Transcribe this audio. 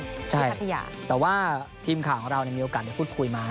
ครับพี่ฮาถุญาทว่าทีมข่าวของเรามีโอกาสคุดคุยมา